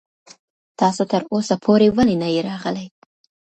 تاسو تر اوسه پورې ولې نه يې راغلی.